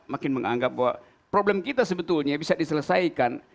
makin menganggap bahwa problem kita sebetulnya bisa diselesaikan